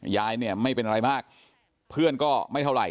ยายเนี่ยไม่เป็นอะไรมากเพื่อนก็ไม่เท่าไหร